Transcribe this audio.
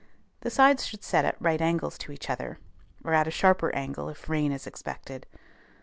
The sides should set at right angles to each other, or at a sharper angle if rain is expected.